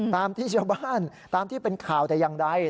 ตามที่ชาวบ้านตามที่เป็นข่าวแต่อย่างใด